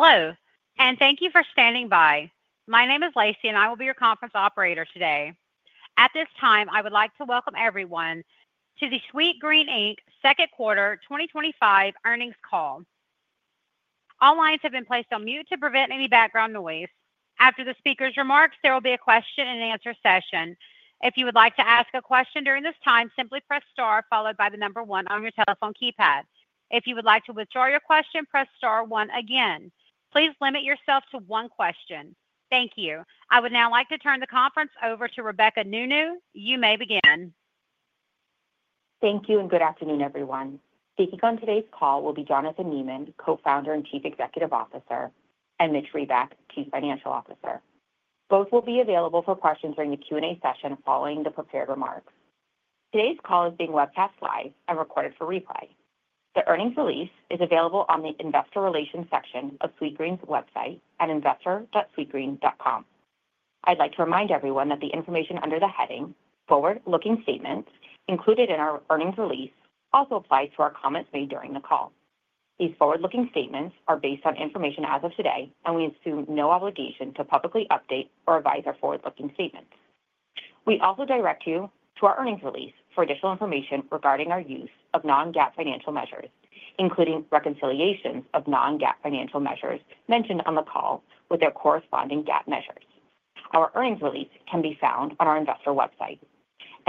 Hello and thank you for standing by. My name is Lacey and I will be your conference operator today. At this time, I would like to welcome everyone to the Sweetgreen Inc. Second Quarter 2025 Earnings Call. All lines have been placed on mute to prevent any background noise. After the speaker's remarks, there will be a question-and-answer session. If you would like to ask a question during this time, simply press star followed by the number one on your telephone keypad. If you would like to withdraw your question, press star one again. Please limit yourself to one question. Thank you. I would now like to turn the conference over to Rebecca Nounou. You may begin. Thank you and good afternoon, everyone. Speaking on today's call will be Jonathan Neman, Co-Founder and Chief Executive Officer, and Mitch Reback, Chief Financial Officer. Both will be available for questions during the Q&A session following the prepared remarks. Today's call is being webcast live and recorded for replay. The earnings release is available on the investor relations section of Sweetgreen's website at investor.sweetgreen.com. I'd like to remind everyone that the information under the heading forward-looking statements included in our earnings release also applies to our comments made during the call. These forward-looking statements are based on information as of today and we assume no obligation to publicly update or revise our forward-looking statements. We also direct you to our earnings release for additional information regarding our use of non-GAAP financial measures, including reconciliations of non-GAAP financial measures mentioned on the call with their corresponding GAAP measures. Our earnings release can be found on our investor website.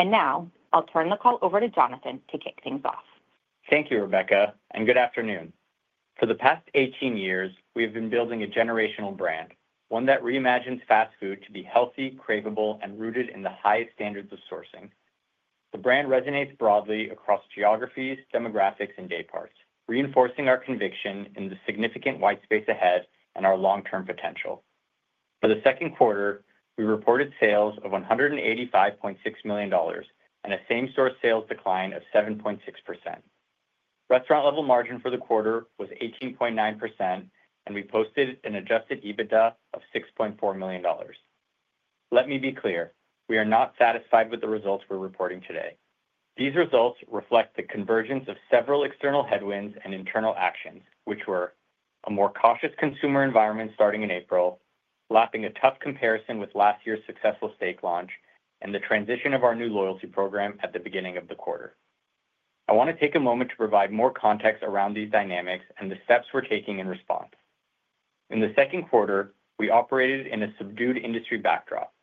Now I'll turn the call over to Jonathan to kick things off. Thank you, Rebecca, and good afternoon. For the past 18 years, we have been building a generational brand, one that reimagines fast food to be healthy, craveable, and rooted in the highest standards of sourcing. The brand resonates broadly across geographies, demographics, and dayparts, reinforcing our conviction in the significant white space ahead and our long-term potential. For the second quarter, we reported sales of $185.6 million and a same-store sales decline of 7.6%. Restaurant-level margin for the quarter was 18.9%, and we posted an adjusted EBITDA of $6.4 million. Let me be clear. We are not satisfied with the results we're reporting today. These results reflect the convergence of several external headwinds and internal actions, which were a more cautious consumer environment starting in April, lapping a tough comparison with last year's successful steak launch, and the transition of our new loyalty program at the beginning of the quarter. I want to take a moment to provide more context around these dynamics and the steps we're taking in response. In the second quarter, we operated in a subdued industry backdrop,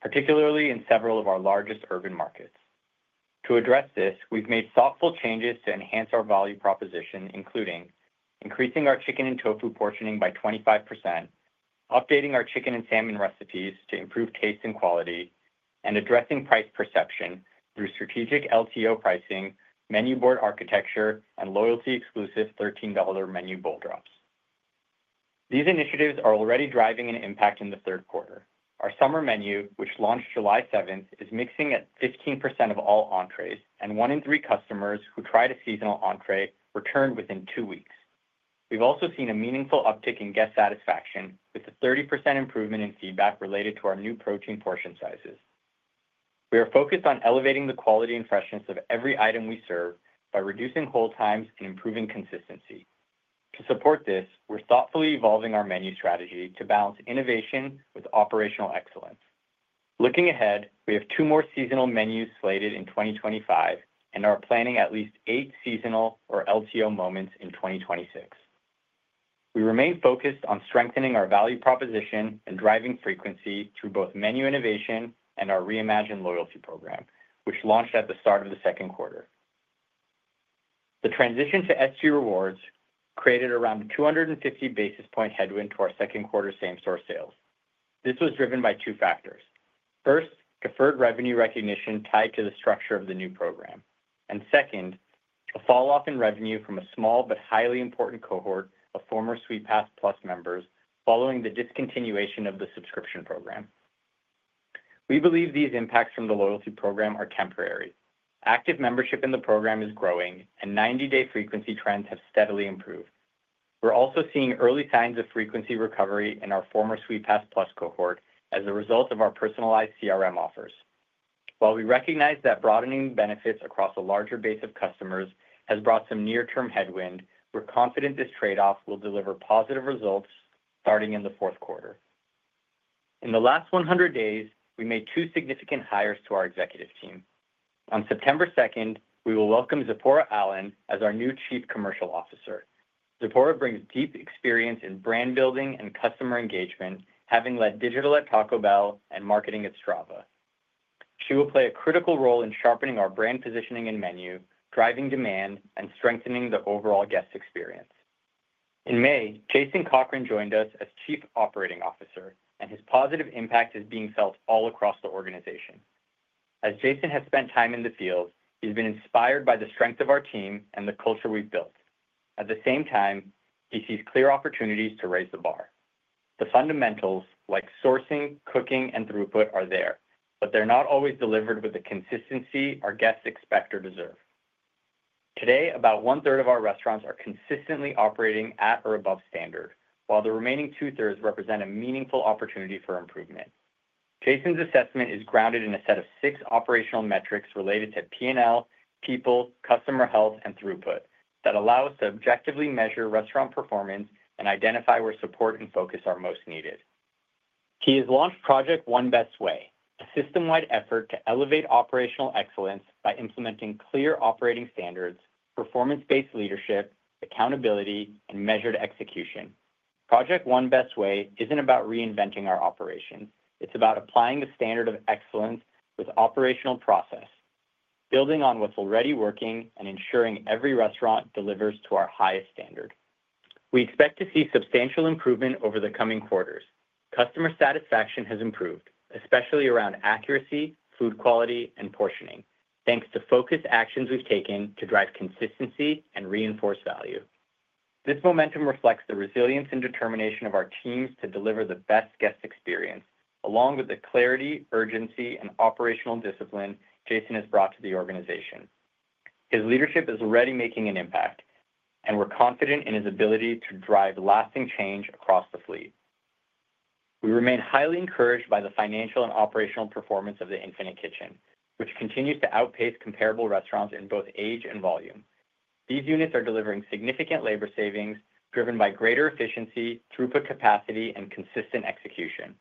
particularly in several of our largest urban markets. To address this, we've made thoughtful changes to enhance our value proposition, including increasing our chicken and tofu portioning by 25%, updating our chicken and salmon recipes to improve taste and quality, and addressing price perception through strategic LTO pricing, menu board architecture, and loyalty-exclusive $13 menu bowl drops. These initiatives are already driving an impact in the third quarter. Our summer menu, which launched July 7th, is mixing at 15% of all entrees, and one in three customers who tried a seasonal entree returned within two weeks. We've also seen a meaningful uptick in guest satisfaction with the 30% improvement in feedback related to our new protein portion sizes. We are focused on elevating the quality and freshness of every item we serve by reducing hold times and improving consistency. To support this, we're thoughtfully evolving our menu strategy to balance innovation with operational excellence. Looking ahead, we have two more seasonal menus slated in 2025 and are planning at least eight seasonal or LTO moments in 2026. We remain focused on strengthening our value proposition and driving frequency through both menu innovation and our reimagined loyalty program, which launched at the start of the second quarter. The transition to SG Rewards created around a 250 basis point headwind to our second quarter same store sales. This was driven by two factors. First, deferred revenue recognition tied to the structure of the new program, and second, a falloff in revenue from a small but highly important cohort of former Sweetpass+ members following the discontinuation of the subscription program. We believe these impacts from the loyalty program are temporary. Active membership in the program is growing and 90-day frequency trends have steadily improved. We're also seeing early signs of frequency recovery in our former Sweetpass+ cohort as a result of our personalized CRM offers. While we recognize that broadening benefits across a larger base of customers has brought some near term headwind, we're confident this trade off will deliver positive results starting in the fourth quarter. In the last 100 days, we made two significant hires to our executive team. On September 2, we will welcome Zipporah Allen as our new Chief Commercial Officer. Zipporah brings deep experience in brand building and customer engagement. Having led digital at Taco Bell and marketing at Strava, she will play a critical role in sharpening our brand positioning and menu, driving demand and strengthening the overall guest experience. In May, Jason Cochran joined us as Chief Operating Officer and his positive impact is being felt all across the organization. As Jason has spent time in the field, he's been inspired by the strength of our team and the culture we've built. At the same time, he sees clear opportunities to raise the bar. The fundamentals like sourcing, cooking, and throughput are there, but they're not always delivered with the consistency our guests expect or deserve. Today, about one third of our restaurants are consistently operating at or above standard, while the remaining two-thirds represent a meaningful opportunity for improvement. Jason's assessment is grounded in a set of six operational metrics related to P&L, people, customer health, and throughput that allow us to objectively measure restaurant performance and identify where support and focus are most needed. He has launched Project One Best Way, a system wide effort to elevate operational excellence by implementing clear operating standards, performance-based leadership, accountability, and measured execution. Project One Best Way isn't about reinventing our operation, it's about applying the standard of excellence with operational process, building on what's already working and ensuring every restaurant delivers to our highest standard. We expect to see substantial improvement over the coming quarters. Customer satisfaction has improved, especially around accuracy, food quality, and portioning, thanks to focused actions we've taken to drive consistency and reinforce value. This momentum reflects the resilience and determination of our teams to deliver the best guest experience, along with the clarity, urgency, and operational discipline Jason has brought to the organization. His leadership is already making an impact, and we're confident in his ability to drive lasting change across the fleet. We remain highly encouraged by the financial and operational performance of the Infinite Kitchen, which continues to outpace comparable restaurants in both age and volume. These units are delivering significant labor savings driven by greater efficiency, throughput capacity, and consistent execution.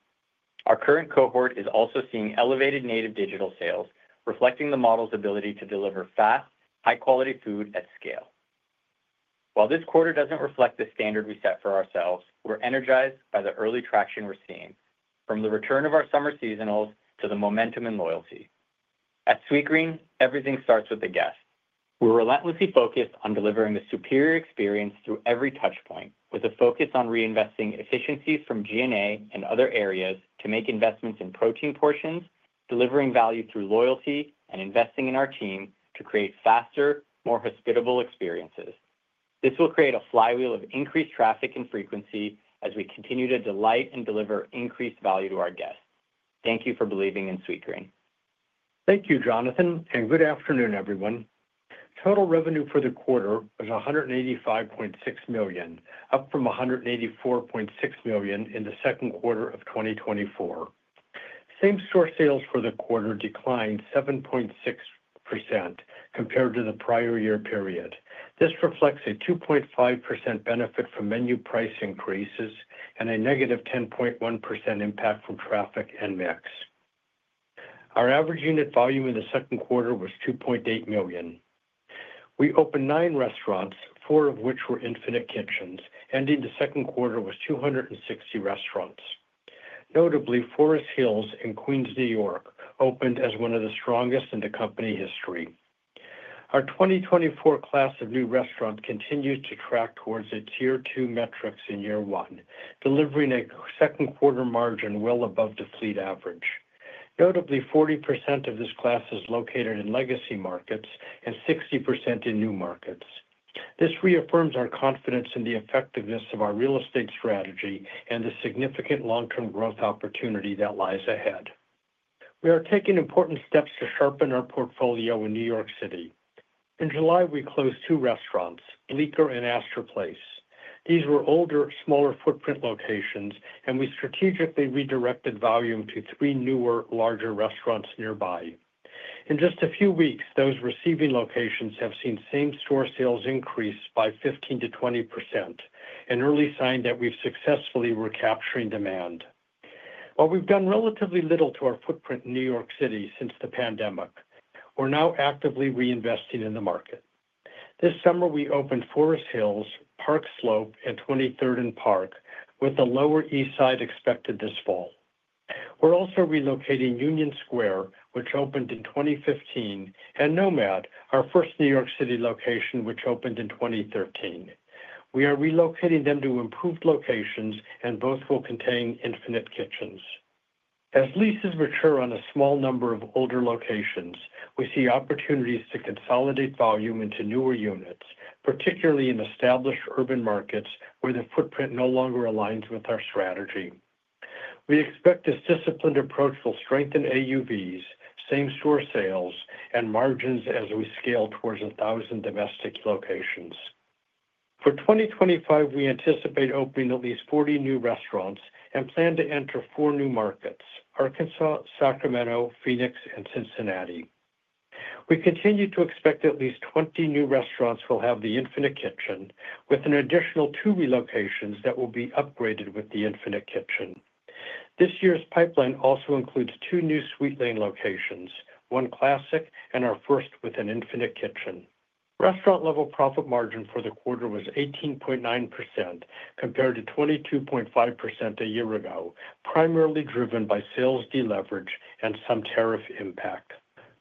Our current cohort is also seeing elevated native digital sales, reflecting the model's ability to deliver fast, high quality food at scale. While this quarter doesn't reflect the standard we set for ourselves, we're energized by the early traction we're seeing, from the return of our summer seasonals to the momentum and loyalty at Sweetgreen, everything starts with the guests. We're relentlessly focused on delivering the superior experience through every touch point, with a focus on reinvesting efficiencies from G&A and other areas to make investments in protein portions, delivering value through loyalty, and investing in our team to create faster, more hospitable experiences. This will create a flywheel of increased traffic and frequency as we continue to delight and deliver increased value to our guests. Thank you for believing in Sweetgreen. Thank you, Jonathan, and good afternoon, everyone. Total revenue for the quarter was $185.6 million, up from $184.6 million in the second quarter of 2024. Same store sales for the quarter declined 7.6% compared to the prior year period. This reflects a 2.5% benefit from menu price increases and a negative 10.1% impact from traffic and mix. Our average unit volume in the second quarter was $2.8 million. We opened nine restaurants, four of which were Infinite Kitchens, ending the second quarter with 260 restaurants. Notably, Forest Hills in Queens, New York, opened as one of the strongest in the company history. Our 2024 class of new restaurants continues to track towards its year two metrics in year one, delivering a second quarter margin well above the fleet average. Notably, 40% of this class is located in legacy markets and 60% in new markets. This reaffirms our confidence in the effectiveness of our real estate strategy and the significant long term growth opportunity that lies ahead. We are taking important steps to sharpen our portfolio in New York City. In July, we closed two restaurants, Bleecker and Astor Place. These were older, smaller footprint locations, and we strategically redirected volume to three newer, larger restaurants nearby. In just a few weeks, those receiving locations have seen same store sales increase by 15%-20%, an early sign that we've successfully recaptured demand. While we've done relatively little to our footprint in New York City since the pandemic, we're now actively reinvesting in the market. This summer, we opened Forest Hills, Park Slope, and 23rd and Park, with the Lower East Side expected this fall. We're also relocating Union Square, which opened in 2015, and NoMad, our first New York City location, which opened in 2013. We are relocating them to improved locations, and both will contain Infinite Kitchens. As leases mature on a small number of older locations, we see opportunities to consolidate volume into newer units, particularly in established urban markets where the footprint no longer aligns with our strategy. We expect this disciplined approach will strengthen AUVs, same store sales, and margins as we scale towards 1,000 domestic locations. For 2025, we anticipate opening at least 40 new restaurants and plan to enter four new markets: Arkansas, Sacramento, Phoenix, and Cincinnati. We continue to expect at least 20 new restaurants will have the Infinite Kitchen, with an additional two relocations that will be upgraded with the Infinite Kitchen. This year's pipeline also includes two new Sweetgreen Lane locations, one classic and our first with an Infinite Kitchen. Restaurant-level profit margin for the quarter was 18.9% compared to 22.5% a year ago, primarily driven by sales deleverage and some tariff impact.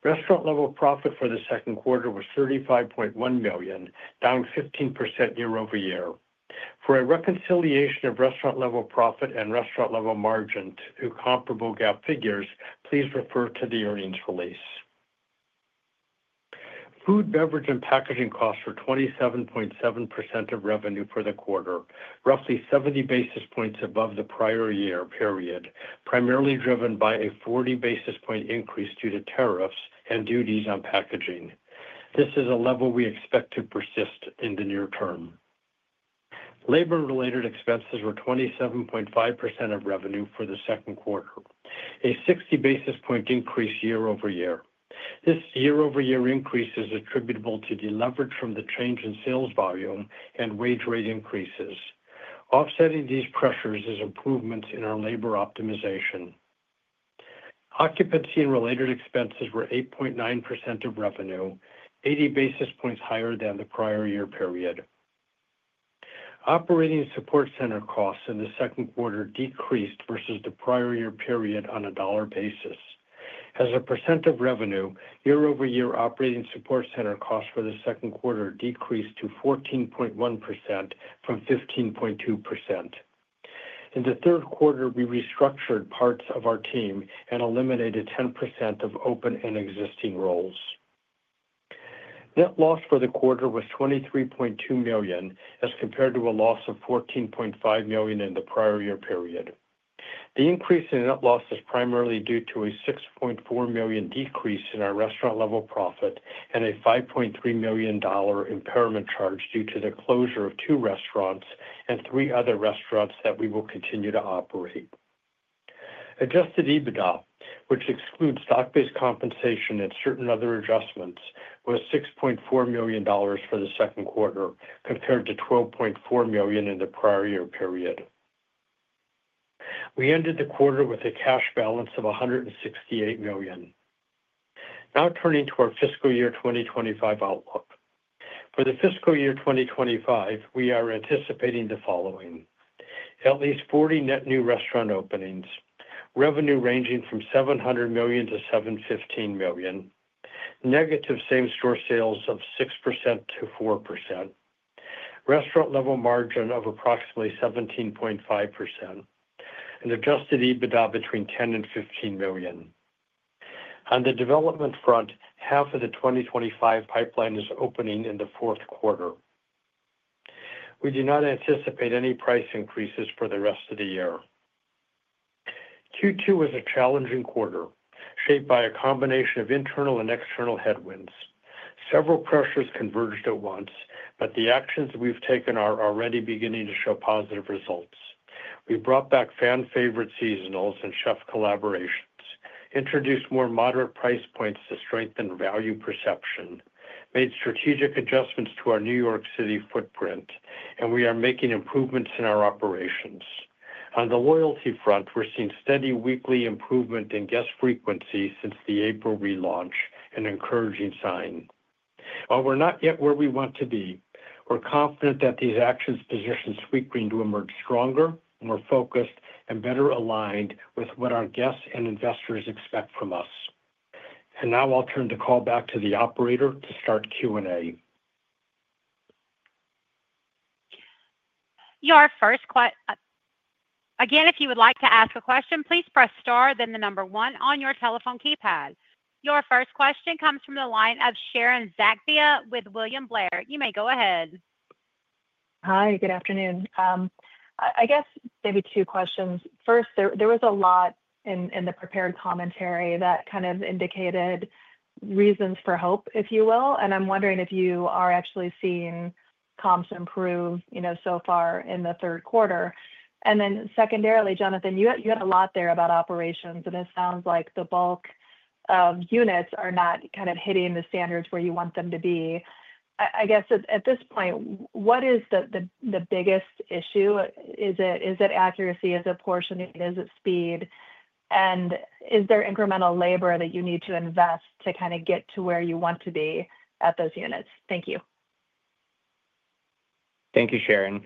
Restaurant-level profit for the second quarter was $35.1 million, down 15% year-over-year. For a reconciliation of restaurant-level profit and restaurant-level margin to comparable GAAP figures, please refer to the earnings release. Food, beverage, and packaging costs were 27.7% of revenue for the quarter, roughly 70 basis points above the prior year period, primarily driven by a 40 basis point increase due to tariffs and duties on packaging. This is a level we expect to persist in the near term. Labor-related expenses were 27.5% of revenue for the second quarter, a 60 basis point increase year-over-year. This year-over-year increase is attributable to deleverage from the change in sales volume and wage rate increases. Offsetting these pressures is improvements in our labor optimization. Occupancy and related expenses were 8.9% of revenue, 80 basis points higher than the prior year period. Operating support center costs in the second quarter decreased versus the prior year period on a dollar basis as a percent of revenue year-over-year. Operating support center costs for the second quarter decreased to 14.1% from 15.2% in the third quarter. We restructured parts of our team and eliminated 10% of open and existing roles. Net loss for the quarter was $23.2 million as compared to a loss of $14.5 million in the prior year period. The increase in net loss is primarily due to a $6.4 million decrease in our restaurant-level profit and a $5.3 million impairment charge due to the closure of two restaurants and three other restaurants that we will continue to operate. Adjusted EBITDA, which excludes stock-based compensation and certain other adjustments, was $6.4 million for the second quarter compared to $12.4 million in the prior year period. We ended the quarter with a cash balance of $168 million. Now turning to our fiscal year 2025 outlook. For the fiscal year 2025, we are anticipating the following: at least 40 net new restaurant openings, revenue ranging from $700 million to $715 million, negative same-store sales of 6%-4%, restaurant-level margin of approximately 17.5%, and adjusted EBITDA between $10 million and $15 million. On the development front, half of the 2025 pipeline is opening in the fourth quarter. We do not anticipate any price increases for the rest of the year. Q2 was a challenging quarter shaped by a combination of internal and external headwinds. Several pressures converged at once, but the actions we've taken are already beginning to show positive results. We brought back fan favorite seasonals and chef collaborations, introduced more moderate price points to strengthen value perception, made strategic adjustments to our New York City footprint, and we are making improvements in our operations. On the loyalty front, we're seeing steady weekly improvement in guest frequency since the April relaunch, an encouraging sign. While we're not yet where we want to be, we're confident that these actions position Sweetgreen to emerge stronger, more focused, and better aligned with what our guests and investors expect from us. I'll turn the call back to the operator to start Q&A. Your first question, if you would like to ask a question, please press star, then the number one on your telephone keypad. Your first question comes from the line of Sharon Zackfia with William Blair. You may go ahead. Hi. Good afternoon. I guess maybe two questions. First, there was a lot in the prepared commentary that kind of indicated reasons for hope, if you will. I'm wondering if you are actually seeing comps improve so far in the third quarter. Secondarily, Jonathan, you had a lot there about operations. It sounds like the bulk units are not kind of hitting the standards where you want them to be. At this point, what is the biggest issue? Is it accuracy, is it portion, is it speed? Is there incremental labor that you need to invest to kind of get to where you want to be at those units? Thank you. Thank you, Sharon.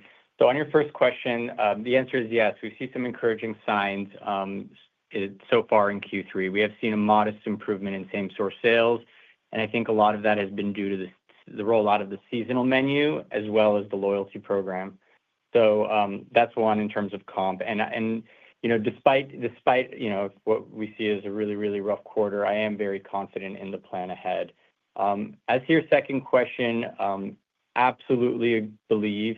On your first question, the answer is yes, we see some encouraging signs so far in Q3. We have seen a modest improvement in same-store sales, and I think a lot of that has been due to the rollout of the seasonal menu as well as the loyalty program. That is one in terms of comp. Despite what we see as a really, really rough quarter, I am very confident in the plan ahead. As to your second question, I absolutely believe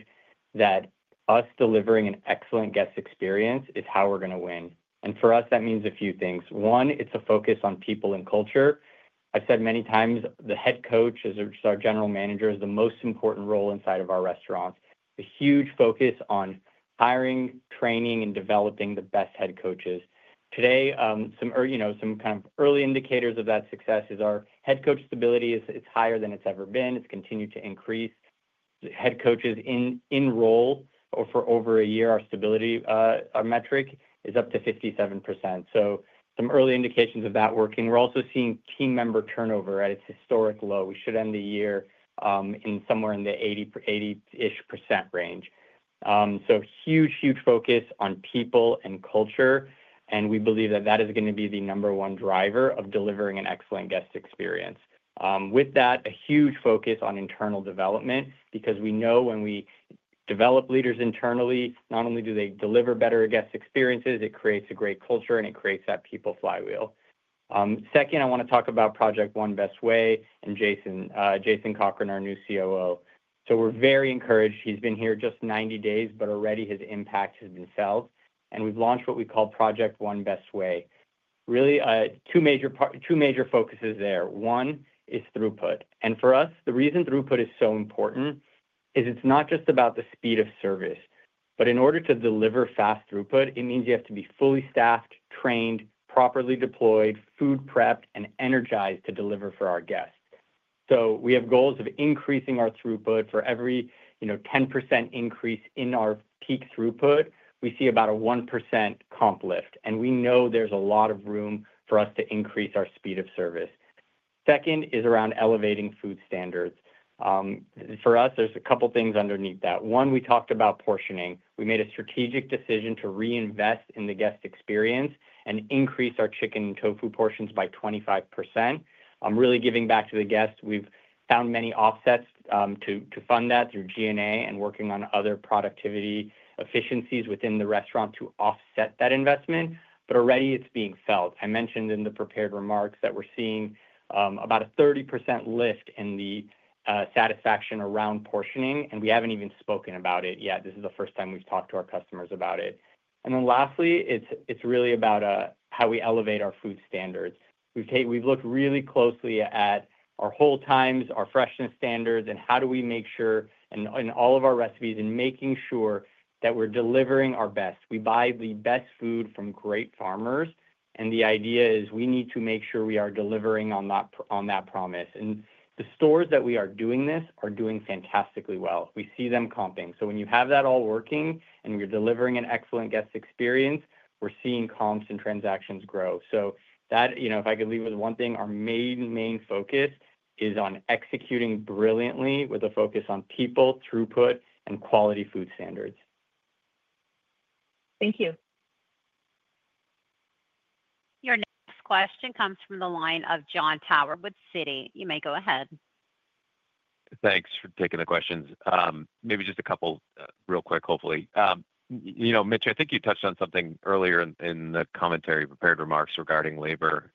that us delivering an excellent guest experience is how we're going to win. For us, that means a few things. One, it's a focus on people and culture. I've said many times the Head Coach as our General Manager is the most important role inside of our restaurant. A huge focus on hiring, training, and developing the best Head Coaches. Today, some kind of early indicators of that success is our Head Coach stability. It's higher than it's ever been. It's continued to increase. Head Coaches in role for over a year, our stability metric is up to 57%. Some early indications of that working. We're also seeing team member turnover at its historic low. We should end the year in somewhere in the 80%, 80ish % range. Huge, huge focus on people and culture, and we believe that is going to be the number one driver of delivering an excellent guest experience. With that, a huge focus on internal development because we know when we develop leaders internally, not only do they deliver better guest experiences, it creates a great culture and it creates that people flywheel. Second, I want to talk about Project One Best Way and Jason Cochran, our new COO. We are very encouraged. He's been here just 90 days, but already his impact has been felt and we've launched what we call Project One Best Way. Really two major focuses there. One is throughput. For us, the reason throughput is so important is it's not just about the speed of service, but in order to deliver fast throughput, it means you have to be fully staffed, trained, properly deployed, food prepped, and energized to deliver for our guests. We have goals of increasing our throughput. For every 10% increase in our peak throughput, we see about a 1% comp lift, and we know there's a lot of room for us to increase our speed of service. Second is around elevating food standards. For us, there's a couple things underneath that. One, we talked about portioning. We made a strategic decision to reinvest in the guest experience and increase our chicken and tofu portions by 25%. I'm really giving back to the guests. We've found many offsets to fund that through G&A and working on other productivity efficiencies within the restaurant to offset that investment. Already it's being felt. I mentioned in the prepared remarks that we're seeing about a 30% lift in the satisfaction around portioning and we haven't even spoken about it yet. This is the first time we've talked to our customers about it. Lastly, it's really about how we elevate our food standards. We've looked really closely at our hold times, our freshness standards, and how do we make sure in all of our recipes and making sure that we're delivering our best. We buy the best food from great farmers and the idea is we need to make sure we are delivering on that promise. The stores that we are doing this in are doing fantastically well. We see them comping. When you have that all working and you're delivering an excellent guest experience, we're seeing comps and transactions grow. If I could leave with one thing, our main focus is on executing brilliantly with a focus on people throughput and quality food standards. Thank you. Your next question comes from the line of Jon Tower with Citi. You may go ahead. Thanks for taking the questions. Maybe just a couple real quick. Hopefully. Mitch, I think you touched on something earlier in the commentary prepared remarks regarding labor,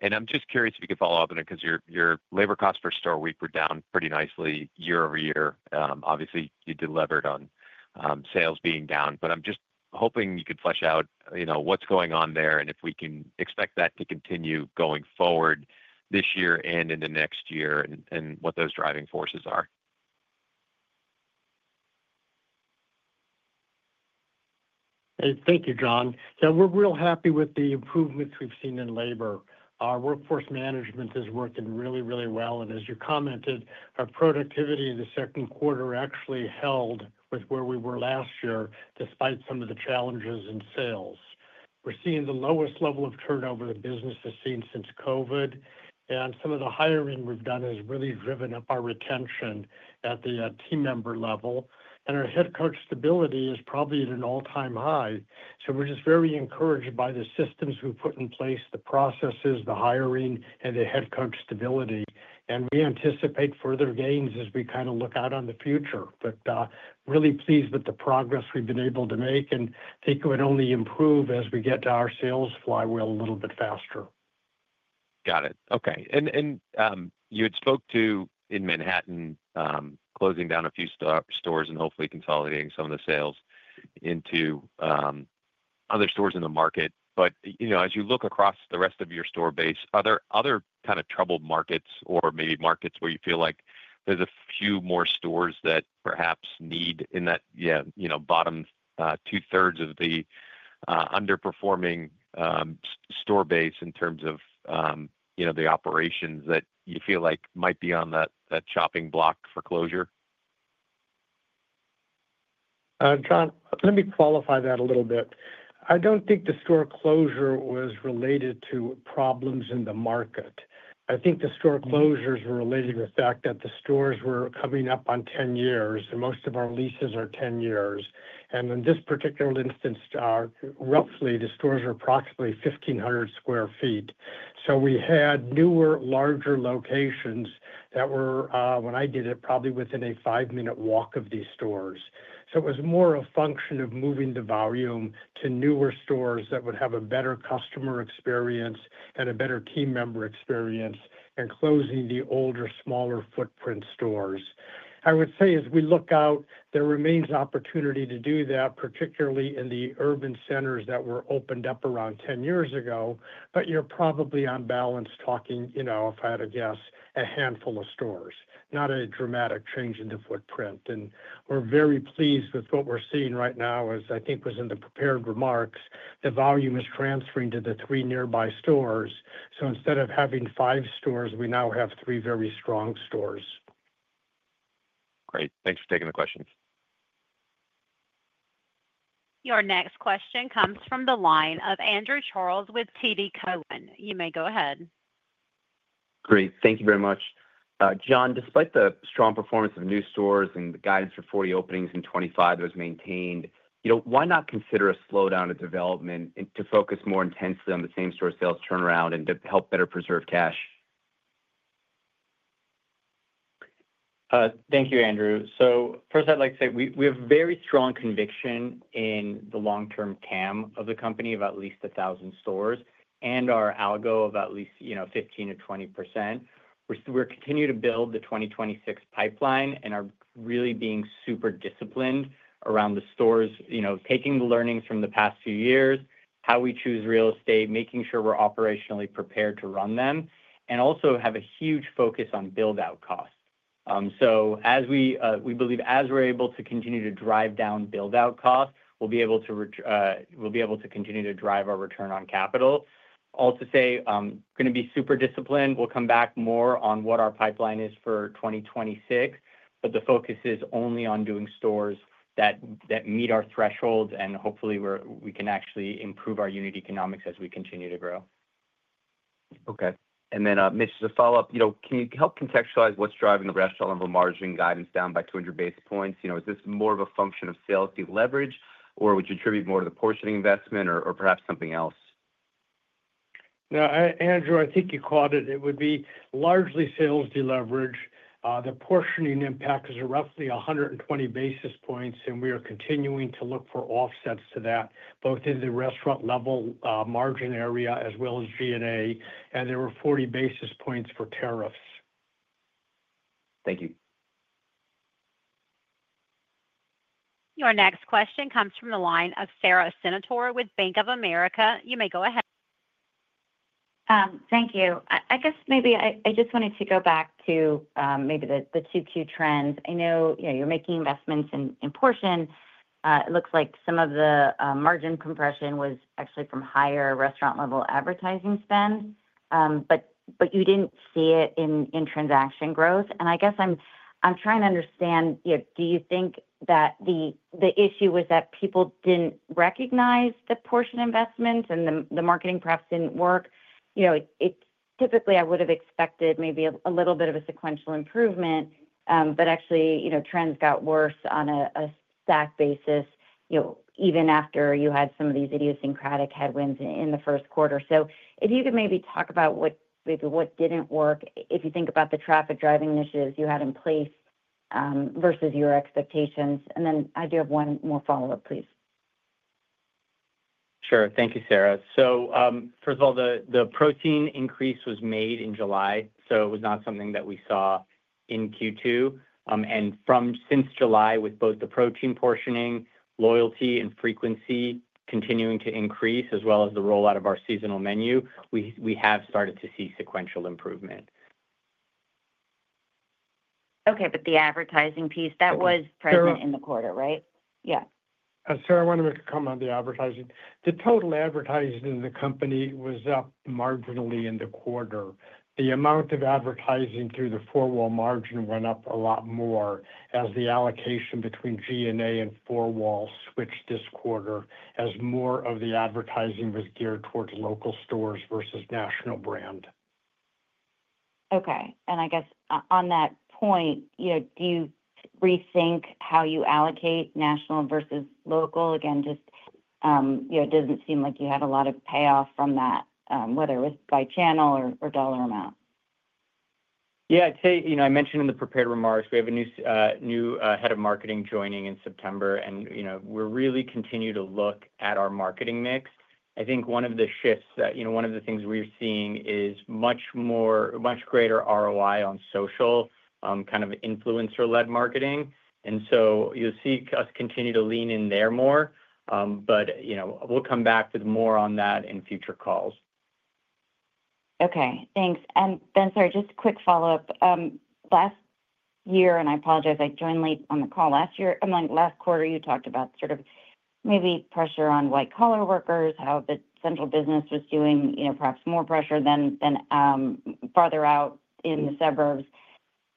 and I'm just curious if you could follow up on that because your labor costs per store week were down pretty nicely year-over-year. Obviously, you delevered on sales being down, but I'm just hoping you could flesh out what's going on there and if we can expect that to continue going forward this year and into next year and what those driving forces are. Thank you, Jon. Yeah, we're real happy with the improvements we've seen in labor. Our workforce management is working really, really well. As you commented, our productivity in the second quarter actually held with where we were last year, despite some of the challenges in sales. We're seeing the lowest level of turnover the business has seen since COVID, and some of the hiring we've done has really driven up our retention at the team member level. Our head coach stability is probably at an all-time high. We're just very encouraged by the systems we put in place, the processes, the hiring, and the head coach stability. We anticipate further gains as we kind of look out on the future. Really pleased with the progress we've been able to make and think it would only improve as we get to our sales flywheel a little bit faster. Got it. Okay. You had spoke to in Manhattan, closing down a few stores and hopefully consolidating some of the sales into other stores in the market. As you look across the rest of your store base, are there other kind of troubled markets or maybe markets where you feel like there's a few more stores that perhaps need in that bottom two thirds of the underperforming store base in terms of the operations that you feel like might be on that chopping block for closure? John, let me qualify that a little bit. I don't think the store closure was related to problems in the market. I think the store closures were related to the fact that the stores were coming up on 10 years and most of our leases are 10 years. In this particular instance, roughly the stores are approximately 1,500 sq ft. We had newer, larger locations that were, when I did it, probably within a five minute walk of these stores. It was more a function of moving the volume to newer stores that would have a better customer experience and a better team member experience and closing the older, smaller footprint stores. I would say as we look out there remains opportunity to do that, particularly in the urban centers that were opened up around 10 years ago. You're probably on balance talking, you know, if I had a guess, a handful of stores, not a dramatic change in the footprint. We're very pleased with what we're seeing right now. As I think was in the prepared remarks, the volume is transferring to the three nearby stores. Instead of having five stores, we now have three very strong stores. Great, thanks for taking the questions. Your next question comes from the line of Andrew Charles with TD Cowen. You may go ahead. Great, thank you very much, John. Despite the strong performance of new stores and the guidance for 40 openings in 2025 that was maintained, you know, why not consider a slowdown of development to focus more intensely on the same store sales turnaround and to help better preserve cash. Thank you, Andrew. First, I'd like to say we have very strong conviction in the long term cam of the company of at least a thousand stores and our algo of at least, you know, 15% or 20%. We're continuing to build the 2026 pipeline and are really being super disciplined around the stores, taking the learnings from the past few years, how we choose real estate, making sure we're operationally prepared to run them and also have a huge focus on build out costs. We believe as we're able to continue to drive down build out cost, we'll be able to continue to drive our return on capital. All to say, going to be super disciplined. We'll come back more on what our pipeline is for 2026, but the focus is only on doing stores that meet our thresholds and hopefully we can actually improve our unit economics as we continue to grow. Okay, and then Mitch, as a follow. Can you help contextualize? What's driving the restaurant-level margin guidance down by 200 basis points? Is this more of a function of sales deleverage, or would you attribute more to the portioning investment, or perhaps something else? Now Andrew, I think you caught it. It would be largely sales deleverage. The portioning impact is roughly 120 basis points, and we are continuing to look for offsets to that both in the restaurant-level margin area as well as VA. There were 40 basis points for tariffs. Thank you. Your next question comes from the line of Sara Senatore with Bank of America. You may go ahead. Thank you. I guess maybe I just wanted to go back to maybe the Q2 trends. I know you're making investments in portioning. It looks like some of the margin compression was actually from higher restaurant-level advertising spend, but you didn't see it in transaction growth. I guess I'm trying to understand, do you think that the issue was that people didn't recognize the portion investments and the marketing perhaps didn't work? Typically, I would have expected maybe a little bit of a sequential improvement, but actually, trends got worse on a stack basis, even after you had some of these idiosyncratic headwinds in the first quarter. If you could maybe talk about what didn't work if you think about the traffic-driving initiatives you had in place versus your expectations. I do have one more follow-up, please. Thank you, Sara. First of all, the protein increase was made in July. It was not something that we saw in Q2, and since July, with both the protein portioning, loyalty, and frequency continuing to increase as well as the rollout of our seasonal menu, we have started to see sequential improvement. Okay, the advertising piece that was present in the quarter, right? Yeah. Sara, I want to come on the advertising. The total advertising in the company was up marginally in the quarter. The amount of advertising through the four wall margin went up a lot more, as the allocation between G&A and four wall switched this quarter, as more of the advertising was geared towards local stores versus national brand. Okay. I guess on that point, you know, do you rethink how you allocate national versus local again? It doesn't seem like you had a lot of payoff from that, whether it was by channel or dollar amount. I'd say, you know, I mentioned in the prepared remarks we have a new head of marketing joining in September. We're really continuing to look at our marketing mix. I think one of the shifts that, you know, one of the things we're seeing is much greater ROI on social kind of influencer-led marketing. You'll see us continue to lean in there more. We'll come back with more on that in future calls. Okay, thanks. Sorry, just a quick follow up. Last year, and I apologize, I joined late on the call last year. Among last quarter, you talked about sort of maybe pressure on white collar workers, how the central business was doing, you know, perhaps more pressure than farther out in the suburbs.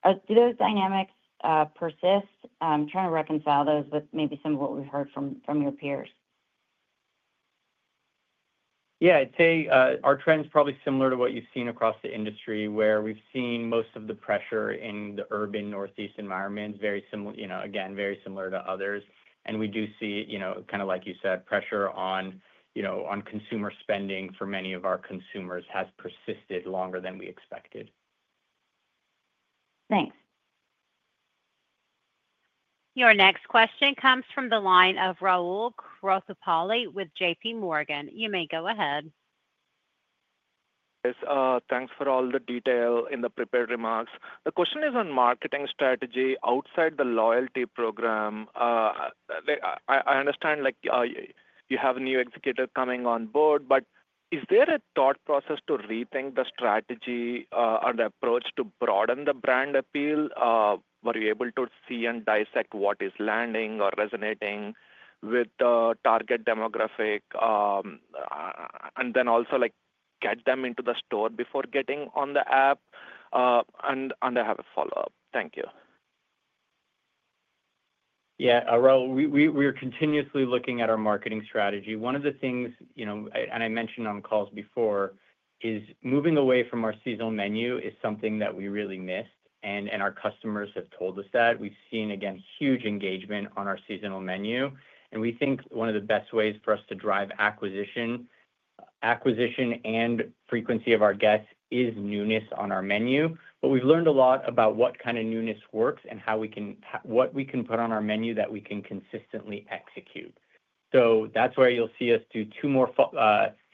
Do those dynamics persist? Trying to reconcile those with maybe some of what we've heard from your peers? Yeah, I'd say our trend is probably similar to what you've seen across the industry, where we've seen most of the pressure in the urban northeast environment. Very similar, you know, again, very similar to others. We do see, you know, kind of like you said, pressure on consumer spending for many of our consumers has persisted longer than we expected. Thanks. Your next question comes from the line of Rahul Krotthapalli with JPMorgan. You may go ahead. Yes, thanks for all the detail in the prepared remarks. The question is on marketing strategy outside the loyalty program. I understand you have a new executor coming on board, but is there a thought process to rethink the strategy or the approach to broaden the brand appeal? Were you able to see and dissect what is landing or resonating with the target demographic and then also get them into the store before getting on the app? I have a follow up. Thank you. Yeah. Rahul, we are continuously looking at our marketing strategy. One of the things, and I mentioned on calls before, is moving away from our seasonal menu is something that we really missed. Our customers have told us that. We've seen again huge engagement on our seasonal menu, and we think one of the best ways for us to drive acquisition and frequency of our guests is newness on our menu. We've learned a lot about what kind of newness works and what we can put on our menu that we can consistently execute. That's where you'll see us do two more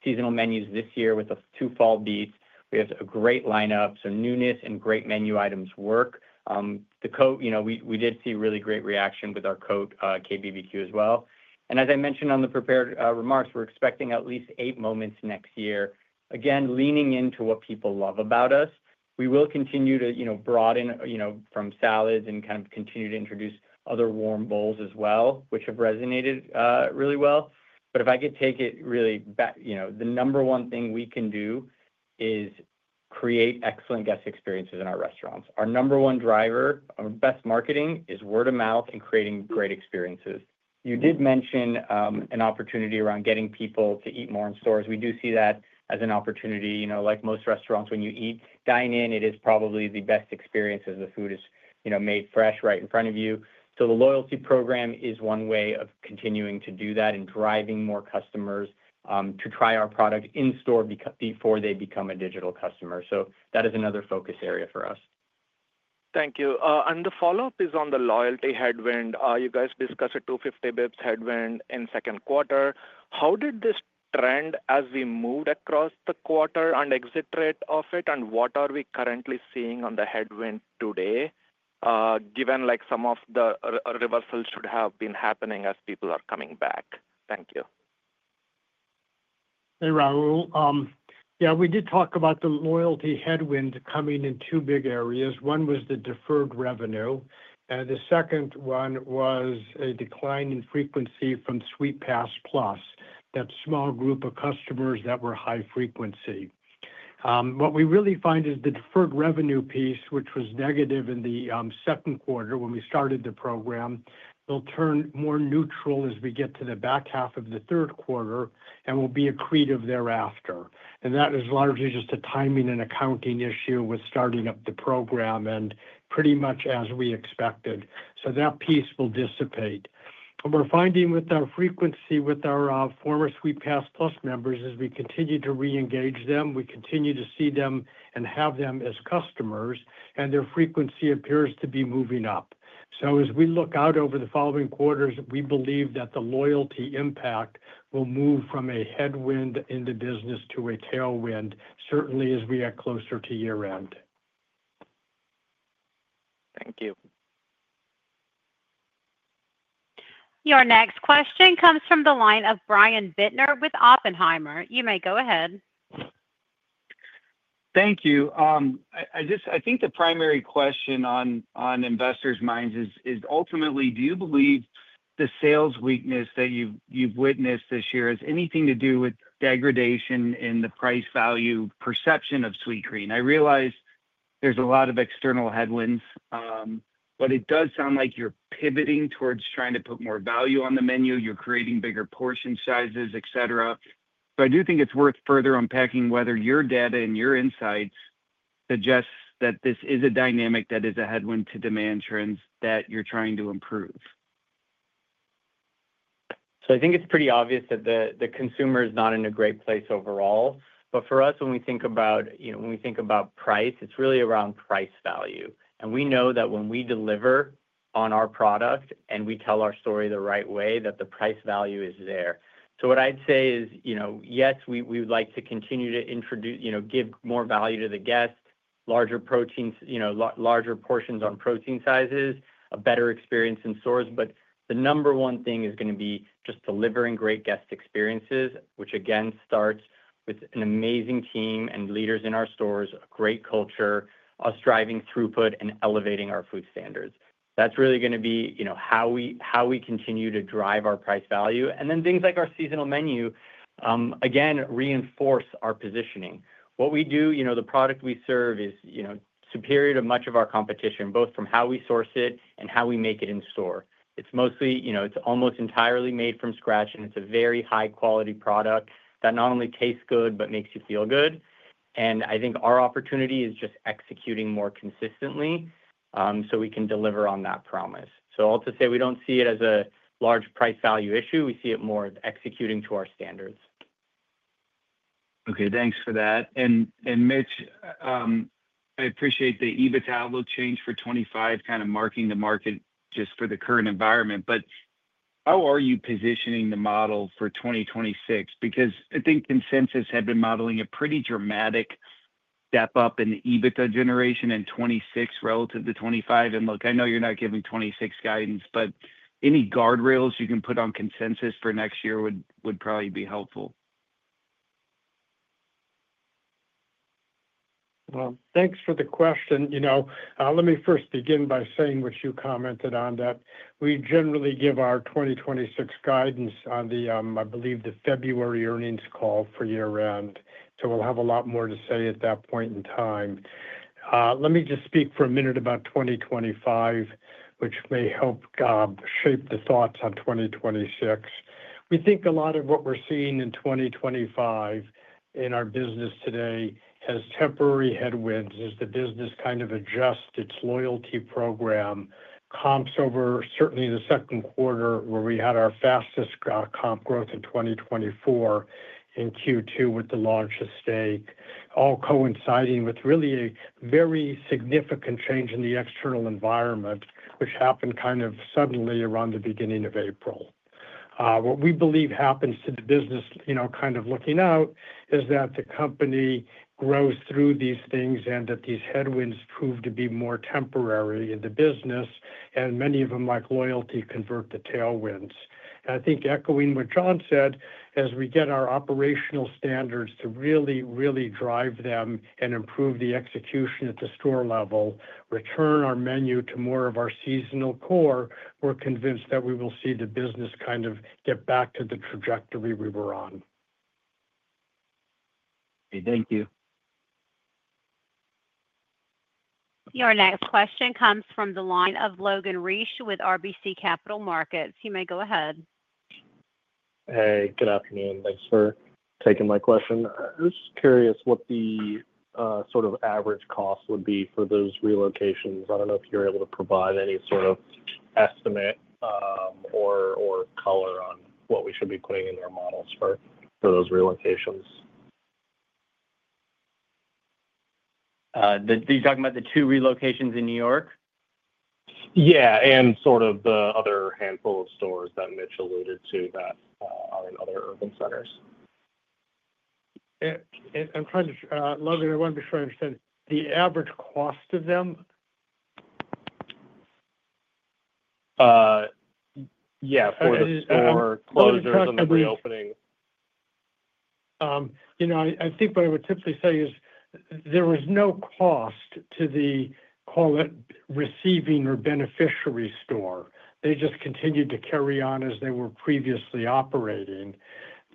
seasonal menus this year with two fall beats. We have a great lineup, so newness and great menu items work. We did see really great reaction with our KBBQ as well. As I mentioned on the prepared remarks, we're expecting at least eight moments next year, again leaning into what people love about us. We will continue to broaden from salads and continue to introduce other warm bowls as well, which have resonated really well. If I could take it, really, the number one thing we can do is create excellent guest experiences in our restaurants. Our number one driver, our best marketing, is word of mouth and creating great experiences. You did mention an opportunity around getting people to eat more in stores. We do see that as an opportunity. Like most restaurants, when you dine in, it is probably the best experience as the food is made fresh right in front of you. The loyalty program is one way of continuing to do that and driving more customers to try our product in store before they become a digital customer. That is another focus area for us. Thank you. The follow-up is on the loyalty headwind. You guys discuss a 250 bps headwind in second quarter. How did this trend as we moved across the quarter and exit rate of it, and what are we currently seeing on the headwind today given some of the reversals should have been happening as people are coming back? Thank you. Hey Rahul. Yeah. We did talk about the loyalty headwind coming in two big areas. One was the deferred revenue and the second one was a decline in frequency from Sweetpass+, that small group of customers that were high frequency. What we really find is the deferred revenue piece, which was negative in the second quarter when we started the program, will turn more neutral as we get to the back half of the third quarter and will be accretive thereafter. That is largely just a timing and accounting issue with starting up the program and pretty much as we expected. That piece will dissipate. What we're finding with our frequency with our former Sweetpass+ members as we continue to reengage them, we continue to see them and have them as customers, and their frequency appears to be moving up. As we look out over the following quarters, we believe that the loyalty impact will move from a headwind in the business to a tailwind certainly as we get closer to year end. Thank you. Your next question comes from the line of Brian Bittner with Oppenheimer. You may go ahead. Thank you. I think the primary question on investors' minds is, ultimately, do you believe the sales weakness that you've witnessed this year has anything to do with degradation in the price value perception of Sweetgreen? I realize there's a lot of external headwinds, but it does sound like you're pivoting towards trying to put more value on the menu, you're creating bigger portion sizes, et cetera. I do think it's worth further unpacking whether your data and your insights suggest that this is a dynamic that is a headwind to demand trends that you're trying to improve. I think it's pretty obvious that the consumer is not in a great place overall. For us, when we think about price, it's really around price value. We know that when we deliver on our product and we tell our story the right way, the price value is there. What I'd say is, yes, we would like to continue to introduce, give more value to the guest, larger proteins, larger portions on protein sizes, a better experience in stores. The number one thing is going to be just delivering great guest experiences, which again, starts with an amazing team and leaders in our stores, a great culture, us driving throughput and elevating our food standards. That's really going to be how we continue to drive our price value. Things like our seasonal menu again reinforce our positioning. What we do, the product we serve is superior to much of our competition, both from how we source it and how we make it in store. It's almost entirely made from scratch and it's a very high quality product that not only tastes good, but makes you feel good. I think our opportunity is just executing more consistently so we can deliver on that promise. I'll just say we don't see it as a large price value issue. We see it more as executing to our standards. Okay, thanks for that. Mitch, I appreciate the EBITDA look change for 2025, kind of marking the market just for the current environment. How are you positioning the model for 2026? I think consensus had been modeling a pretty dramatic step up in the EBITDA generation in 2026 relative to 2025. I know you're not giving 2026 guidance, but any guardrails you can put on consensus for next year would probably be helpful. Thank you for the question. Let me first begin by saying what you commented on, that we generally give our 2026 guidance on the, I believe, the February earnings call for year end. We'll have a lot more to say at that point in time. Let me just speak for a minute about 2025, which may help GOB shape the thoughts on 2026. We think a lot of what we're seeing in 2025 in our business today has temporary headwinds as the business kind of adjusts its loyalty program comps over. Certainly, the second quarter where we had our fastest comp growth in 2024 in Q2 with the launch of steak, all coinciding with really a very significant change in the external environment which happened kind of suddenly around the beginning. What we believe happens to the business, kind of looking out, is that the company grows through these things and that these headwinds prove to be more temporary in the business. Many of them, like loyalty, convert to tailwinds. I think echoing what Jon said, as we get our operational standards to really, really drive them and improve the execution at the store level, return our menu to more of our seasonal core, we're convinced that we will see the business kind of get back to the trajectory we were on. Thank you. Your next question comes from the line of Logan Reich with RBC Capital Markets. You may go ahead. Hey, good afternoon. Thanks for taking my question. I was curious what the sort of average cost would be for those relocations. I don't know if you're able to provide any sort of estimate or color on what we should be putting in their models for those relocations. Talking about the two relocations in New York City. Yeah. The other handful of stores that Mitch alluded to are in other urban centers. I'm trying to. Logan, I want to be sure I understand the average cost of them. Yeah. Closures on the reopening. I think what I would typically say is there was no cost to the, call it receiving or beneficiary store. They just continued to carry on as they were previously operating.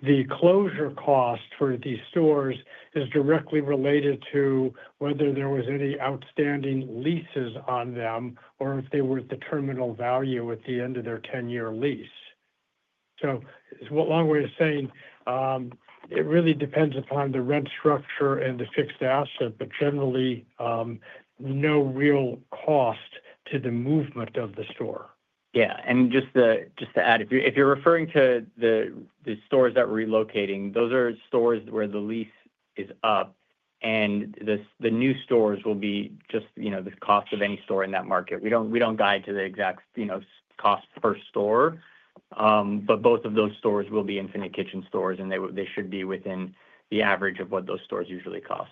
The closure cost for these stores is directly related to whether there was any outstanding leases on them or if they were at the terminal value at the end of their 10 year lease. It's a long way of saying it really depends upon the rent structure and the fixed asset, but generally no real cost to the movement of the store. Yeah. Just to add, if you're referring to the stores that are relocating, those are stores where the lease is up and the new stores will be just, you know, the cost of any store in that market. We don't guide to the exact, you know, cost per store, but both of those stores will be Infinite Kitchen stores and they should be within the average of what those stores usually cost.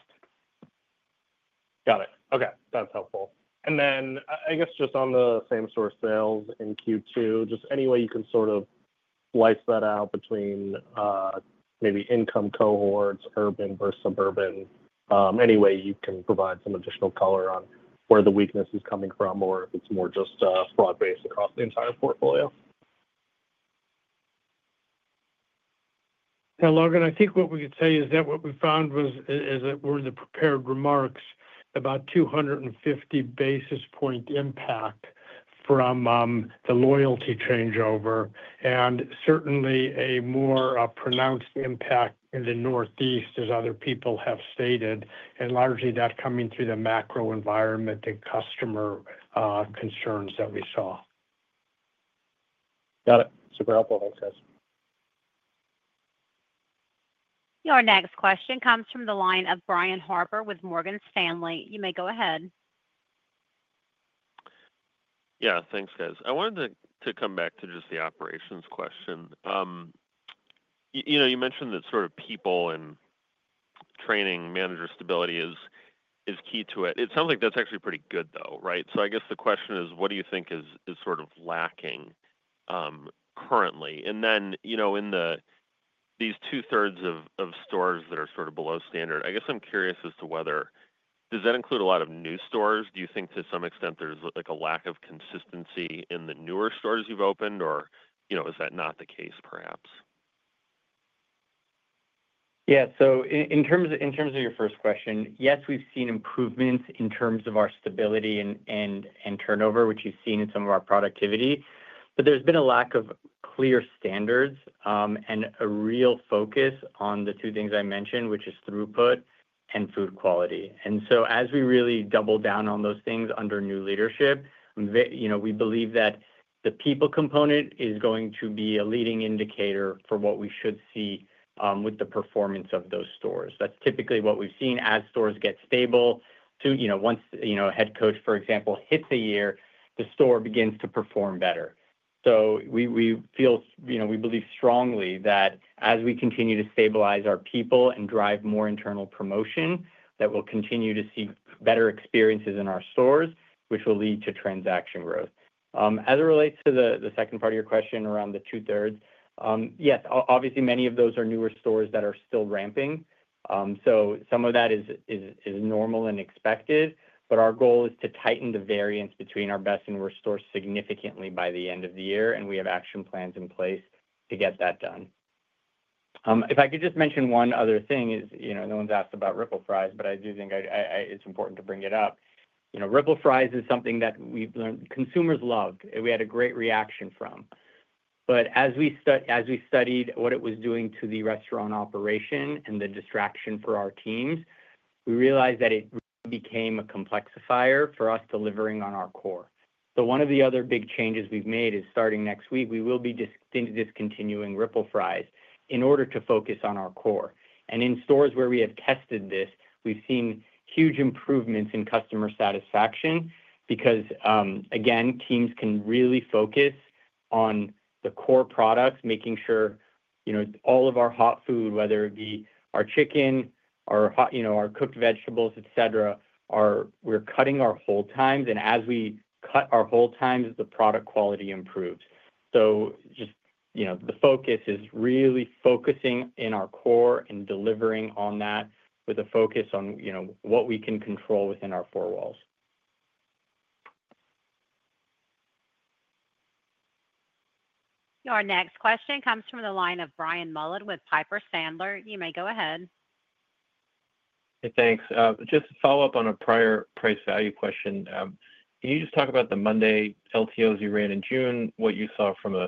Got it. Okay, that's helpful. I guess just on the. Same store sales in Q2, just any way you can sort of slice that out between maybe income cohorts, urban versus suburban. Any way you can provide some additional color on where the weakness is coming from, or it's more just broad based across the entire portfolio. Logan, I think what we could tell you is that what we found was, as it were, in the prepared remarks about 250 basis point impact from the loyalty changeover, and certainly a more pronounced impact in the Northeast, as other people have stated, and largely that coming through the macro environment and customer concerns that we saw. Got it. Super helpful. Your next question comes from the line of Brian Harbour with Morgan Stanley. You may go ahead. Yeah, thanks, guys. I wanted to come back to just the operations question. You mentioned that sort of people and training manager stability is key to it. It sounds like that's actually pretty good, though, right? I guess the question is, what do you think is sort of lacking currently? In these two-thirds of stores that are sort of below standard, I guess I'm curious as to whether that includes a lot of new stores. Do you think to some extent there's a lack of consistency in the newer stores you've opened or is that not the case, perhaps? Yeah. In terms of your first question, yes, we've seen improvements in terms of our stability and turnover, which you've seen in some of our productivity. There's been a lack of clear standards and a real focus on the two things I mentioned, which is throughput and food quality. As we really double down on those things under new leadership, we believe that the people component is going to be a leading indicator for what we should see with the performance of those stores. That's typically what we've seen as stores get stable too. Once a head coach, for example, hits a year, the store begins to perform better. We feel, we believe strongly that as we continue to stabilize our people and drive more internal promotion, we'll continue to see better experiences in our stores, which will lead to transaction growth. As it relates to the second part of your question, around the two thirds, yes, obviously many of those are newer stores that are still ramping. Some of that is normal and expected. Our goal is to tighten the variance between our best and worst stores significantly by the end of the year. We have action plans in place to get that done. If I could just mention one other thing. No one's asked about ripple fries, but I do think it's important to bring it up. Ripple fries is something that we've learned consumers loved. We had a great reaction from it. As we studied what it was doing to the restaurant operation and the distraction for our teams, we realized that it became a complexifier for us delivering on our core. One of the other big changes we've made is starting next week we will be disabling, discontinuing ripple fries in order to focus on our core. In stores where we have tested this, we've seen huge improvements in customer satisfaction because teams can really focus on the core products, making sure all of our hot food, whether it be our chicken, our hot, our cooked vegetables, etc., are—we're cutting our hold times. As we cut our hold times, the product quality improves. The focus is really focusing in our core and delivering on that with a focus on what we can control within our four walls. Our next question comes from the line of Brian Mullan with Piper Sandler. You may go ahead. Thanks. Just to follow up on a prior price value question, can you just talk about the Monday LTOs you ran in June, what you saw from a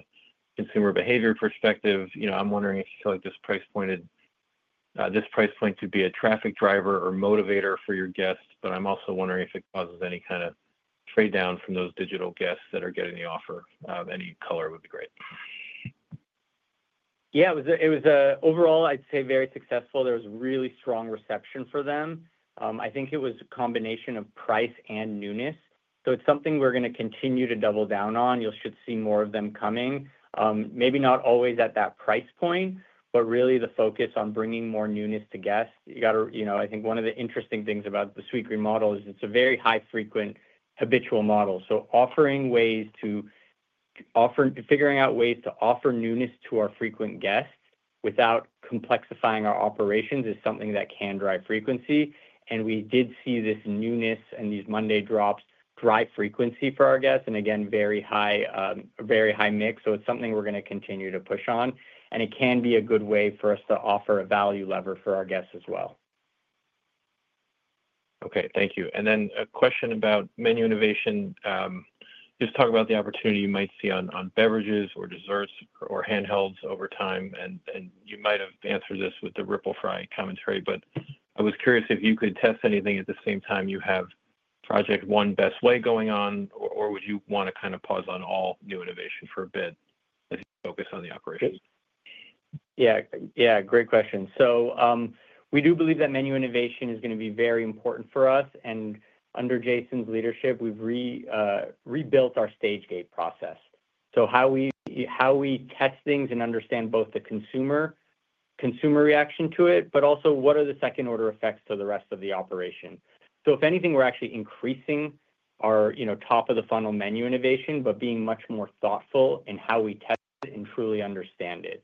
consumer behavior perspective? I'm wondering if you feel like this price point to be a traffic driver or motivator for your guests. I'm also wondering if it causes any kind of trade downs from those digital guests that are getting the offer. Any color would be great. Yeah, it was overall, I'd say very successful. There was really strong reception for them. I think it was a combination of price and newness. It's something we're going to continue to double down on. You should see more of them coming, maybe not always at that price point, but really the focus on bringing more newness to guests. I think one of the interesting things about the Sweetgreen model is it's a very high frequent habitual model. Offering ways to offer, figuring out ways to offer newness to our frequent guests without complexifying our operations is something that can drive frequency. We did see this newness and these Monday drops drive frequency for our guests. Very high mix. It's something we're going to continue to push on and it can be a good way for us to offer a value lever for our guests as well. Okay, thank you. A question about menu innovation. Just talk about the opportunity you might see on beverages or desserts or handhelds over time. You might have answered this with the ripple fry commentary, but I was curious if you could test anything at the same time you have Project One Best Way going on, or would you want to pause on all new innovations for a bit, focus on the operations? Yeah, great question. We do believe that menu innovation is going to be very important for us. Under Jason's leadership, we've rebuilt our stage gate process, so how we test things and understand both the consumer reaction to it, but also what are the second-order effects to the rest of the operation. If anything, we're actually increasing our top of the funnel menu innovation but being much more thoughtful in how we test and truly understand it.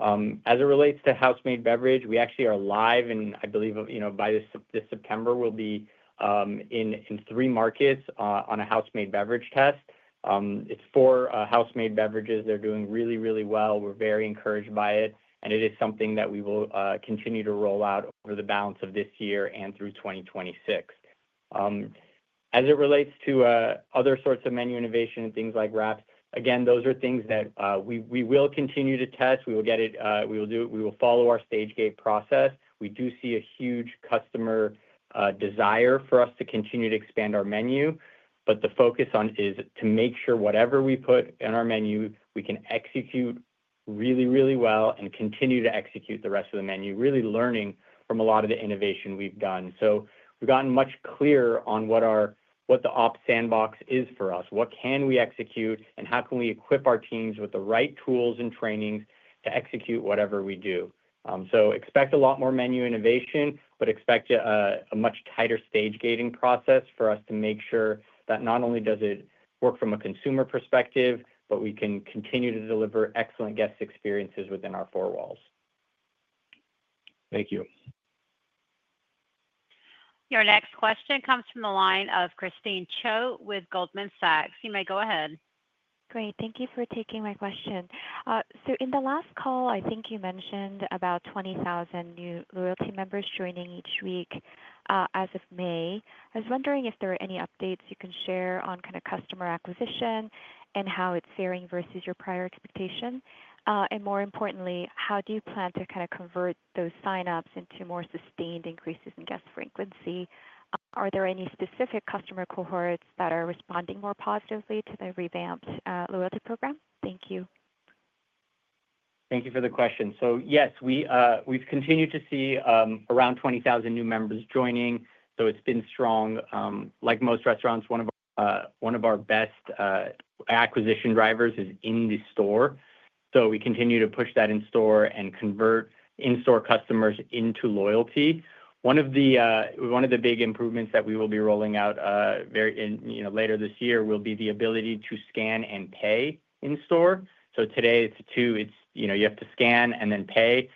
As it relates to house-made beverage, we actually are live and I believe by this September we'll be in three markets on a house-made beverage test. It's four house-made beverages. They're doing really, really well. We're very encouraged by it, and it is something that we will continue to roll out over the balance of this year and through 2026. As it relates to other sorts of menu innovation and things like wraps, again, those are things that we will continue to test. We will get it, we will do it, we will follow our stage gate process. We do see a huge customer desire for us to continue to expand our menu, but the focus is to make sure whatever we put in our menu we can execute really, really well and continue to execute the rest of the menu. Really learning from a lot of the innovation we've done, we've gotten much clearer on what the OP sandbox is for us, what we can execute, and how we can equip our teams with the right tools and trainings to execute whatever we do. Expect a lot more menu innovation, but expect a much tighter stage gating process for us to make sure that not only does it work from a consumer perspective, but we can continue to deliver excellent guest experiences within our four walls. Thank you. Your next question comes from the line of Christine Cho with Goldman Sachs. You may go ahead. Great. Thank you for taking my question. In the last call I think you mentioned about 20,000 new loyalty members joining each week as of May. I was wondering if there are any updates you can share on kind of customer acquisition and how it's faring versus your prior expectation. More importantly, how do you plan to kind of convert those sign ups into more sustained increases in guest frequency? Are there any specific customer cohorts that are responding more positively to the revamped loyalty program? Thank you. Thank you for the question. Yes, we've continued to see around 20,000 new members joining, so it's been strong. Like most restaurants, one of our best acquisition drivers is in the store. We continue to push that in store and convert in store customers into loyalty. One of the big improvements that we will be rolling out later this year will be the ability to scan and pay in store. Today, you have to scan and then pay.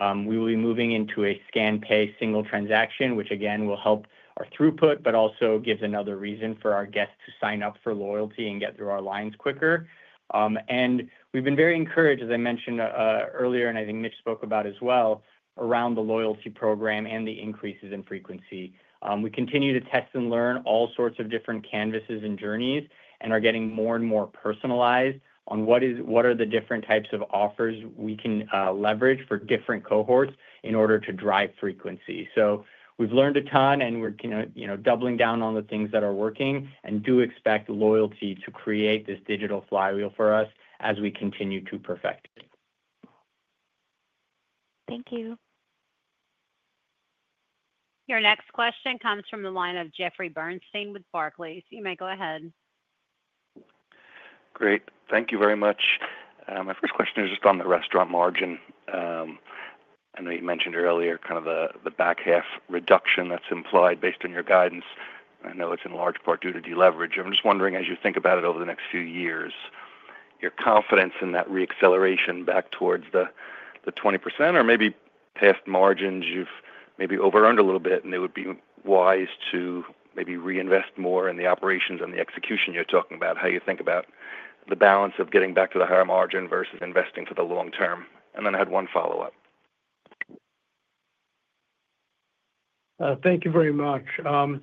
We will be moving into a ScanPay single transaction, which will help our throughput but also gives another reason for our guests to sign up for loyalty and get through our lines quicker. We've been very encouraged, as I mentioned earlier and I think Mitch spoke about as well, around the loyalty program and the increases in frequency. We continue to test and learn all sorts of different canvases and journeys and are getting more and more personalized on what are the different types of offers we can leverage for different cohorts in order to drive frequency. We've learned a ton and we're doubling down on the things that are working and do expect loyalty to create this digital flywheel for us as we continue to perfect. Thank you. Your next question comes from the line of Jeffrey Bernstein with Barclays. You may go ahead. Great. Thank you very much. My first question is just on the restaurant-level margin. I know you mentioned earlier kind of the back half reduction that's implied based on your guidance. I know it's in large part due to deleveraging. I'm just wondering, as you think about it over the next few years, your confidence in that reacceleration back towards the 20% or maybe past margins, you've maybe overrun a little bit and they would be wise to maybe reinvest more in the operations and the execution. You're talking about how you think about the balance of getting back to the higher margin versus investing for the long term. I had one follow-up. Thank you very much.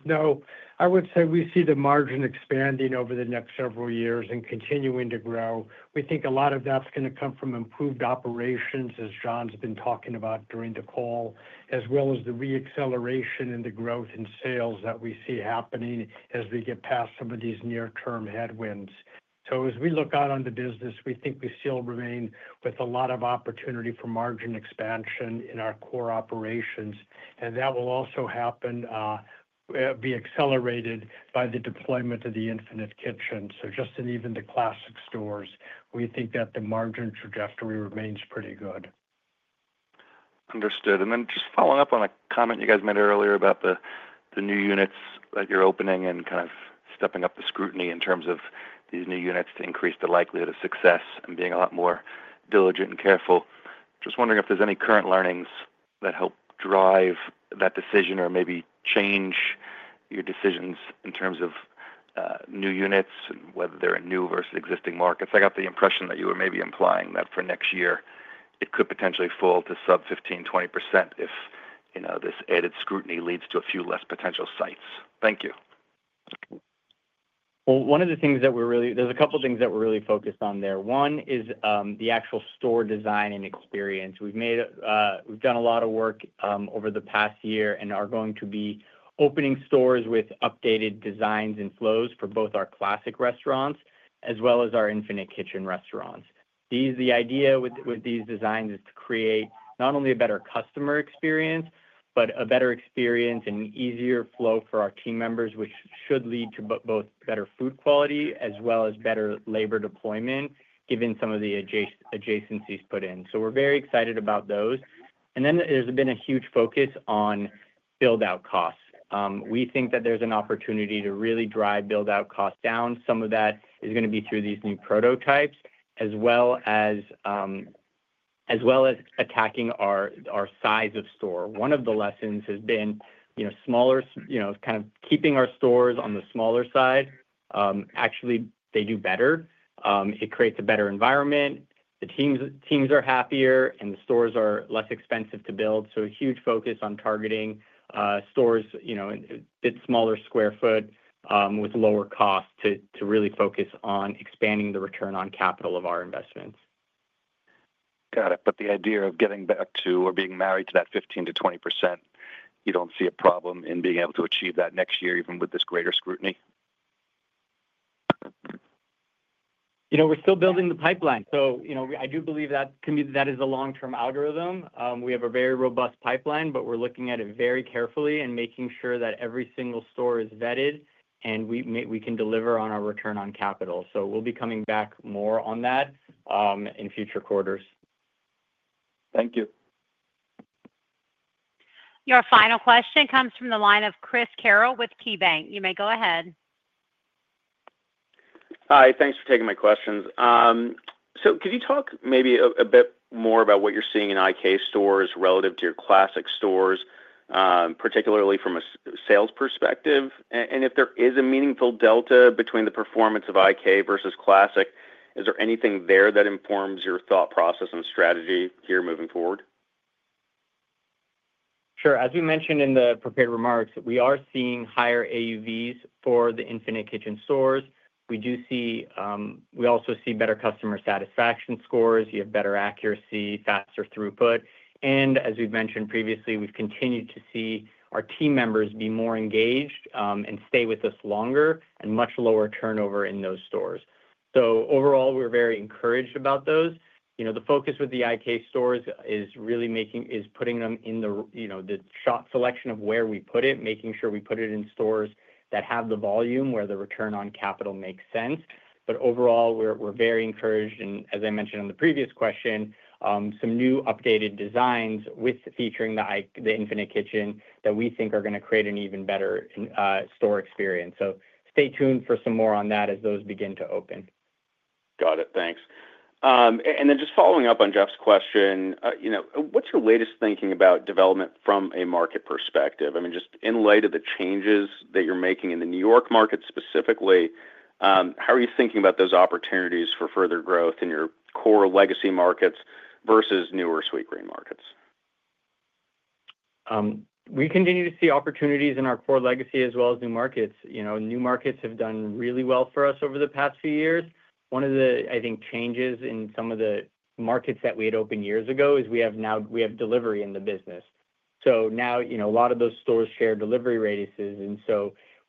No, I would say we see the margin expanding over the next several years and continuing to grow. We think a lot of that's going to come from improved operations as Jonathan's been talking about during the call, as well as the re-acceleration in the growth in sales that we see happening as we get past some of these near-term headwinds. As we look out on the business, we think we still remain with a lot of opportunity for margin expansion in our core operations. That will also be accelerated by the deployment of the Infinite Kitchen. Just in even the classic stores, we think that the margin trajectory remains pretty good. Understood. Just following up on a comment you guys made earlier about the new units that you're opening and kind of stepping up the scrutiny in terms of these new units to increase the likelihood of success and being a lot more diligent and careful. Just wondering if there's any current learnings that help drive that decision or maybe change your decisions in terms of new units and whether they're in new versus existing markets. I got the impression that you were maybe implying that for next year it could potentially fall to sub 15%-20% if this added scrutiny leads to a few less potential sites. Thank you. One of the things that we're really, there's a couple things that we're really focused on there. One is the actual store design and experience. We've done a lot of work over the past year and are going to be opening stores with updated designs and flows for both our classic restaurants as well as our Infinite Kitchen restaurants. The idea with these designs is to create not only a better customer experience, but a better experience and easier flow for our team members, which should lead to both better food quality as well as better labor deployment given some of the adjacencies put in. We're very excited about those. There's been a huge focus on build-out costs. We think that there's an opportunity to really drive build-out costs down. Some of that is going to be through these new prototypes as well as attacking our size of store. One of the lessons has been, you know, smaller, kind of keeping our stores on the smaller side. Actually they do better. It creates a better environment. The teams are happier and the stores are less expensive to build. A huge focus on targeting stores a bit smaller square foot with lower cost to really focus on expanding the return on capital of our investments. Got it. The idea of getting back to or being married to that 15%-20%, you don't see a problem in being able to achieve that next year even with this greater scrutiny. You know. We're still building the pipeline. I do believe that can be, that is a long-term algorithm. We have a very robust pipeline, but we're looking at it very carefully and making sure that every single store is vetted and we can deliver on our return on capital. We'll be coming back more on that in future quarters. Thank you. Your final question comes from the line of Chris Carril with KeyBanc. You may go ahead. Hi. Thanks for taking my questions. Could you talk maybe a bit more about what you're seeing in Infinite Kitchen stores relative to your classic stores, particularly from a sales perspective, and if there is a meaningful delta between the performance of Infinite Kitchen versus classic, is there anything there that informs your thought process and strategy here moving forward. Sure. As we mentioned in the prepared remarks, we are seeing higher AUVs for the Infinite Kitchen stores. We also see better customer satisfaction scores. You have better accuracy, faster throughput, and as we've mentioned previously, we've continued to see our team members be more engaged and stay with us longer. Much lower turnover in those stores. Overall, we're very encouraged about those. The focus with the Infinite Kitchen stores is really putting them in the shot selection of where we put it, making sure we put it in stores that have the volume where the return on capital makes sense. Overall, we're very encouraged, and as I mentioned on the previous question, some new updated designs featuring the Infinite Kitchen that we think are going to create an even better store experience. Stay tuned for some more on that as those begin to open. Got it. Thanks. And then just following up on Jeff's question. What's your latest thinking about development from a market perspective? I mean, just in light of the changes that you're making in the New York City market specifically, how are you thinking about those opportunities for further growth in your core legacy markets versus newer Sweetgreen markets? We continue to see opportunities in our core legacy as well as new markets. New markets have done really well for us over the past few years. One of the, I think, changes in some of the markets that we had opened years ago is now we have delivery in the business. Now, a lot of those stores share delivery radiuses, and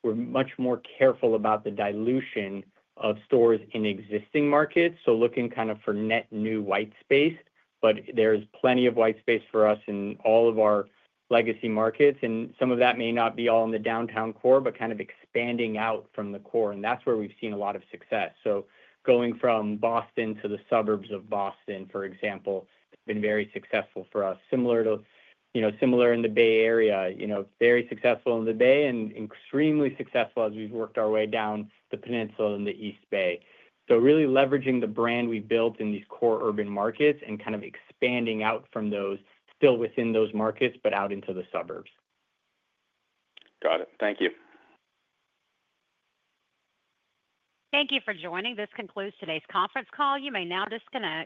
we're much more careful about the dilution of stores in existing markets. Looking for net new white space, but there's plenty of white space for us in all of our legacy markets. Some of that may not be all in the downtown core, but expanding out from the core. That's where we've seen a lot of success. Going from Boston to the suburbs of Boston, for example, has been very successful for us, similar in the Bay Area. Very successful in the Bay and extremely successful as we've worked our way down the peninsula in the East Bay. Really leveraging the brand we built in these core urban markets and expanding out from those, still within those markets, but out into the suburbs. Got it. Thank you. Thank you for joining. This concludes today's conference call. You may now disconnect.